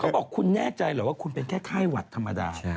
บอกคุณแน่ใจเหรอว่าคุณเป็นแค่ไข้หวัดธรรมดา